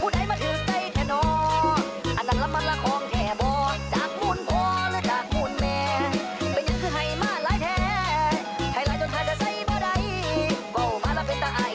แต่ถ้าสุดจัดก็น้องแกงนี้ล่ะครับ